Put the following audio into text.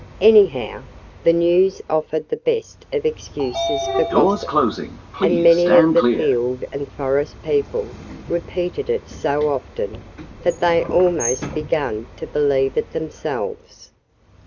Anyhow, the news offered the best of excuses for gossip. And many of the field and forest people repeated it so often that they almost began to believe it themselves.